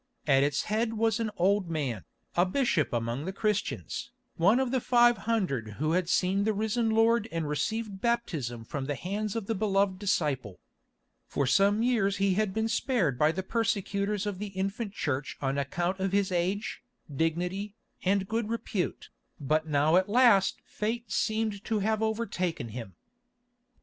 At its head was an old man, a bishop among the Christians, one of the five hundred who had seen the risen Lord and received baptism from the hands of the Beloved Disciple. For some years he had been spared by the persecutors of the infant Church on account of his age, dignity, and good repute, but now at last fate seemed to have overtaken him.